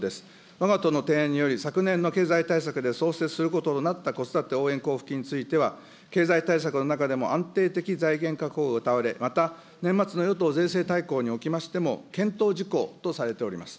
わが党の提案により、昨年の経済対策で創設することとなった子育て応援交付金については、経済対策の中でも安定的財源確保がうたわれ、また年末の与党税制大綱においても検討事項とされております。